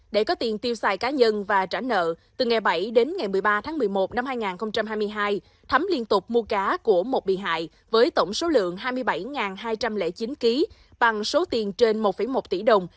để có tiền tiêu xài cá nhân và trả nợ từ ngày bảy đến ngày một mươi ba tháng một mươi một năm hai nghìn hai mươi hai thấm liên tục mua cá của một bị hại với tổng số lượng hai mươi bảy hai trăm linh chín kg bằng số tiền trên một một tỷ đồng